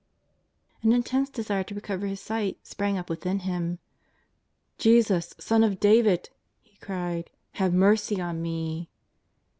An intense desire to recover his sight sprang up within him: ^^ Jesus, Son of David/' he cried, " have mercy on me!"